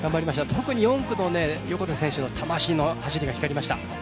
特に４区の横手選手の魂の走りが光りました。